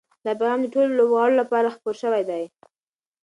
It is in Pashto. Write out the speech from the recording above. دا پیغام د ټولو لوبغاړو لپاره خپور شوی دی.